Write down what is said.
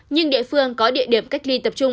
nhưng địa phương có địa điểm cách ly tập trung